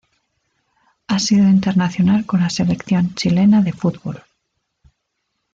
Ha sido internacional con la Selección Chilena de Fútbol.